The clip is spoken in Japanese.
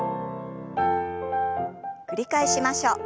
繰り返しましょう。